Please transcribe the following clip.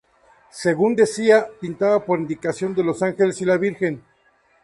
Según decía, pintaba por indicación de los ángeles y la Virgen.